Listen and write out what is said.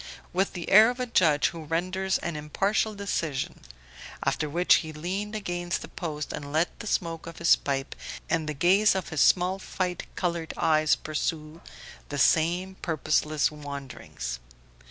with the air of a judge who renders an impartial decision; after which he leaned against the post and let the smoke of his pipe and the gaze of his small light coloured eyes pursue the same purposeless wanderings.